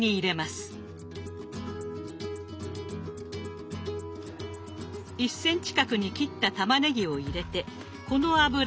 １ｃｍ角に切ったたまねぎを入れてこの油で煮ます。